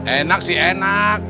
enak sih enak